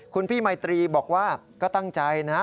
คุณพี่ไมตรีบอกว่าก็ตั้งใจนะ